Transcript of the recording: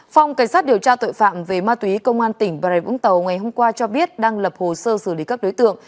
phòng cảnh sát điều tra tội phạm về ma túy công an tỉnh bà rệ vũng tàu ngày hôm qua cho biết đang lập hồ sơ xử lý các đối tượng